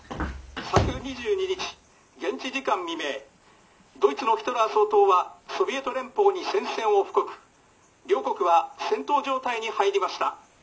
昨２２日現地時間未明ドイツのヒトラー総統はソビエト連邦に宣戦を布告両国は戦闘状態に入りました。